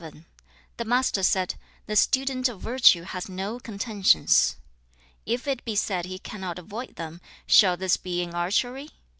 VII. The Master said, 'The student of virtue has no contentions. If it be said he cannot avoid them, shall this be in archery?